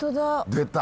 出た。